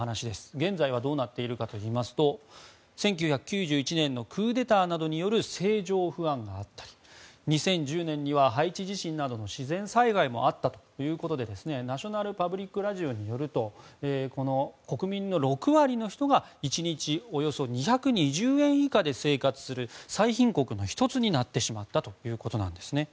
現在はどうなっているかというと１９９１年のクーデターなどによる政情不安があったり２０１０年にはハイチ地震などの自然災害もあったということでナショナル・パブリック・ラジオによると国民の６割の人が１日およそ２２０円以下で生活する最貧国の１つになってしまったということです。